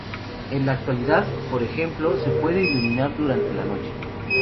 En la actualidad, por ejemplo, se puede iluminar durante la noche.